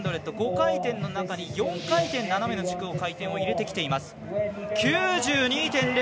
５回転の中に４回転斜めの軸の回転を入れてきています。